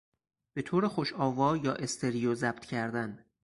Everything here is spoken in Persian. به طور خوش آوا یا استریو ضبط کردن